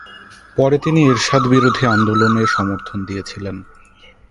পরে তিনি এরশাদ বিরোধী আন্দোলনে সমর্থন দিয়ে ছিলেন।